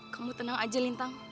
kamu tenang saja lintang